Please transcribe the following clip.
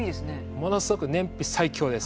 ものすごく燃費最強です。